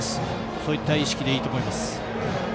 そういった意識でいいと思います。